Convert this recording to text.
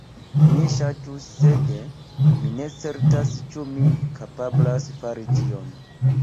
Mi ŝatus, sed mi ne certas ĉu mi kapablas fari tion.